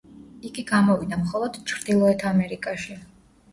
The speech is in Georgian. იგი გამოვიდა მხოლოდ ჩრდილოეთ ამერიკაში.